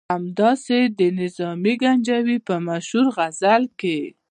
همداسې د نظامي ګنجوي په مشهور غزل کې.